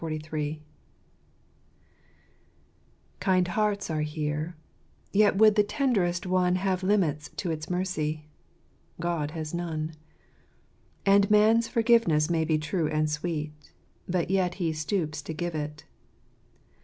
i* * Kind hearts are here ; j r et would the tenderest one Have limits to its mercy :• God has none. I And man's forgiveness may be true and sweet, | But yet he stoops to give it.